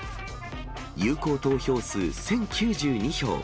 有効投票数１０９２票。